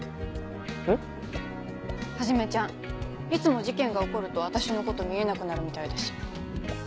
うん？はじめちゃんいつも事件が起こると私のこと見えなくなるみたいだし。